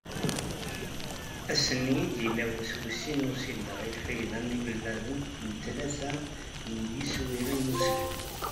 Ass-nni i d-yella wass wis sin n usileɣ i lfayda n yinelmaden n tlata n yiswiren n usegmi.